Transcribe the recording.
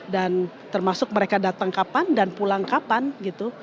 dan termasuk mereka datang kapan dan pulang kapan gitu